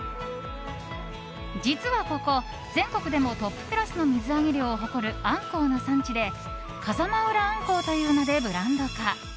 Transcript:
実はここ、全国でもトップクラスの水揚げ量を誇るアンコウの産地で風間浦鮟鱇という名でブランド化。